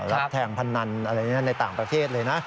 แล้วแทงพนันอะไรอย่างนี้ในต่างประเทศเลยนะ